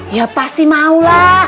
ya pasti maulah